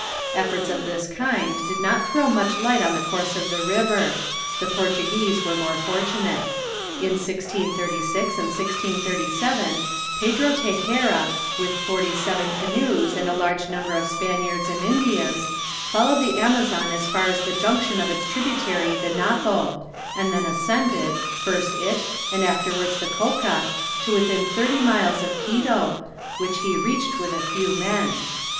Efforts of this kind did not throw much light on the course of the river. The Portuguese were more fortunate. In 1636 and 1637 Pedro Texeira with forty seven canoes, and a large number of Spaniards and Indians, followed the Amazon as far as the junction of its tributary the Napo, and then ascended, first it, and afterwards the Coca, to within thirty miles of Quito, which he reached with a few men.